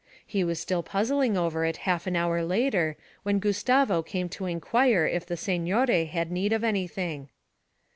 He was still puzzling over it half an hour later when Gustavo came to inquire if the signore had need of anything.